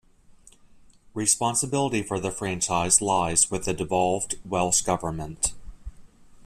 Responsibility for the franchise lies with the devolved Welsh Government.